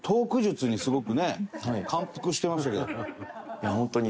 いやホントに。